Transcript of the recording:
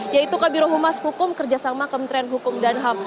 yaitu kabiruhumas hukum kerjasama kementerian hukum dan ham